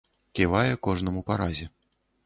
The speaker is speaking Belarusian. Ківае кожнаму па разе.